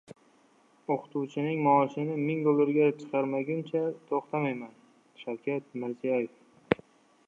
«O‘qituvchining maoshini ming dollarga chiqarmaguncha to‘xtamayman» – Shavkat Mirziyoyev